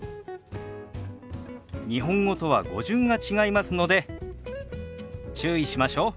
日本語とは語順が違いますので注意しましょう。